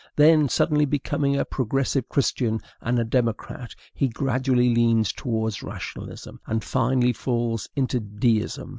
then, suddenly becoming a progressive Christian and a democrat, he gradually leans towards rationalism, and finally falls into deism.